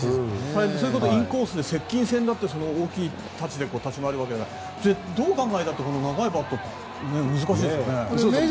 それこそインコース、接近戦だと接近戦だって大きなたちで立ち回るからどう考えたって長いバット難しいですよね。